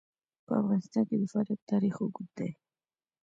په افغانستان کې د فاریاب تاریخ اوږد دی.